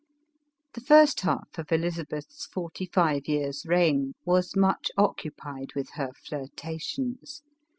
The first half of Elizabeth's forty five years' reign, was much occupied with her flirtations.